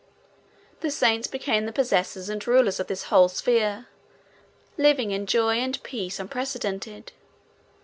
The saints became the possessors and rulers of this whole sphere, living in joy and peace unprecedented.